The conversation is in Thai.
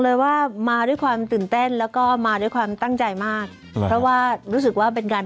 เลยว่ามาด้วยความตื่นเต้นแล้วก็มาด้วยความตั้งใจมากเพราะว่ารู้สึกว่าเป็นการ